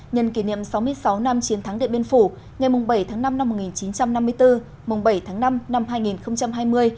nhân kỷ niệm sáu mươi sáu năm chiến thắng điện biên phủ ngày bảy tháng năm năm một nghìn chín trăm năm mươi bốn bảy tháng năm năm hai nghìn hai mươi